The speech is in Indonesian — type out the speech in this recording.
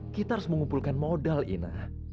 kita harus mengumpulkan modal ina